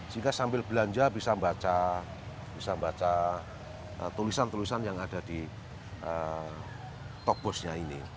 sehingga sambil belanja bisa baca tulisan tulisan yang ada di tok bosnya ini